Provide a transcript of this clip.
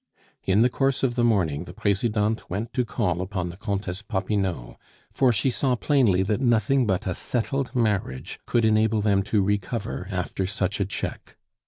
In the course of the morning, the Presidente went to call upon the Comtesse Popinot; for she saw plainly that nothing but a settled marriage could enable them to recover after such a check.